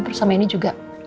terus sama ini juga